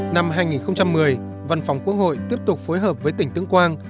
năm hai nghìn một mươi văn phòng quốc hội tiếp tục phối hợp với tỉnh tương quang